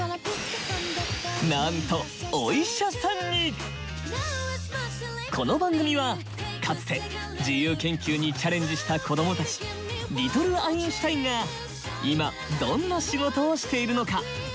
なんとこの番組はかつて自由研究にチャレンジした子どもたち“リトル・アインシュタイン”が今どんな仕事をしているのか？